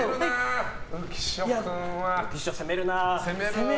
浮所、攻めるな。